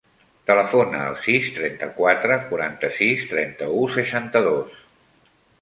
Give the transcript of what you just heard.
Telefona al sis, trenta-quatre, quaranta-sis, trenta-u, seixanta-dos.